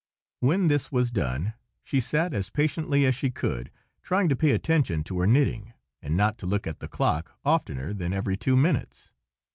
When this was done, she sat as patiently as she could, trying to pay attention to her knitting, and not to look at the clock oftener than every two minutes.